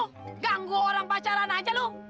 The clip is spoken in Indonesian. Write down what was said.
sombret lu ganggu orang pacaran aja lu